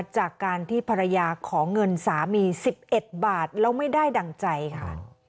จากการที่ภรรยาขอเงินสามี๑๑บาทแล้วไม่ได้ดั่งใจค่ะ